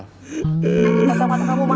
kacamata kamu mah ada tuh jang